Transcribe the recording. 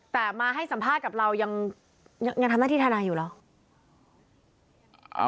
แต่มาให้สัมภาษณ์กับเรายังทำหน้าที่ทนายอยู่เหรอ